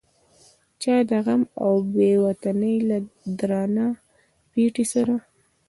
چا د غم او بې وطنۍ له درانه پیټي سره.